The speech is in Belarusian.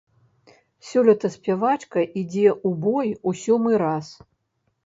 Сёлета спявачка ідзе ў бой у сёмы раз.